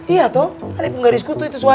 iya toh ale pun gak diskut tuh itu suara